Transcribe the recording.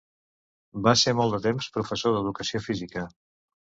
Va ser molt de temps professor d'educació física.